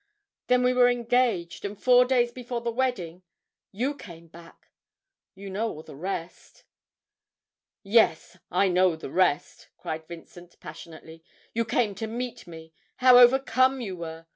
Then we were engaged, and, four days before the wedding, you came back you know all the rest.' 'Yes, I know the rest,' cried Vincent, passionately; 'you came to meet me how overcome you were!